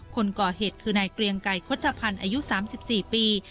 คนก่อเหตุคือในเกรียงไก่คชพันธ์อายุ๓๔ปี